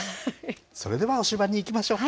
それでは推しバン！にいきましょうか。